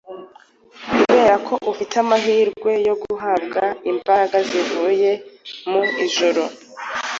kubera ko afite amahirwe yo guhabwa imbaraga zivuye mu ijuru